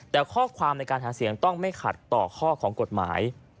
แต่ข้อความในการหาเสียงต้องไม่ขัดต่อข้อของกฎหมาย